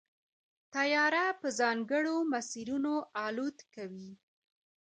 طیاره په ځانګړو مسیرونو الوت کوي.